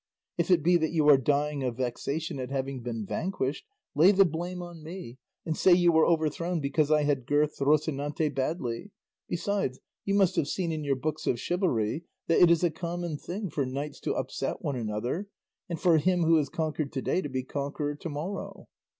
If it be that you are dying of vexation at having been vanquished, lay the blame on me, and say you were overthrown because I had girthed Rocinante badly; besides you must have seen in your books of chivalry that it is a common thing for knights to upset one another, and for him who is conquered to day to be conqueror to morrow."